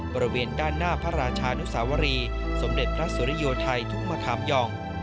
บริเวณด้านหน้าพระราชานุสาวรีสมเด็จพระสุริโยไทยทุ่งมะขามย่อง